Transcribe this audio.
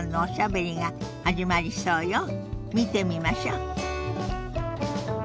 見てみましょ。